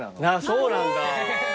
そうなんだ。